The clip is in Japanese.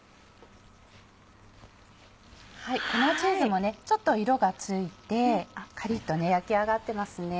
粉チーズもちょっと色がついてカリっと焼き上がってますね。